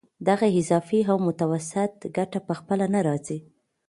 دغه اضافي او متوسطه ګټه په خپله نه راځي